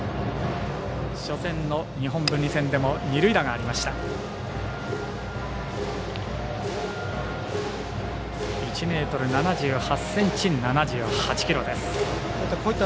初戦の日本文理戦でも二塁打がありました。